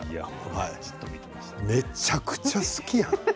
めちゃくちゃ好きやん。